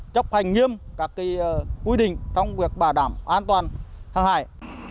chấp hành nghiêm các quy định trong việc bảo đảm an toàn hàng hải